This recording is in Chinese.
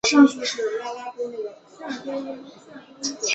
兰州鲇为鲇科鲇属的鱼类。